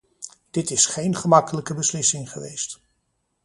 Dit is geen gemakkelijke beslissing geweest.